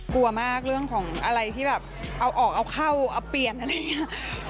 กลัวมากเรื่องของอะไรที่แบบเอาออกเอาเข้าเอาเปลี่ยนอะไรอย่างนี้